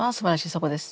そこです。